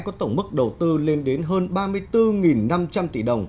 có tổng mức đầu tư lên đến hơn ba mươi bốn năm trăm linh tỷ đồng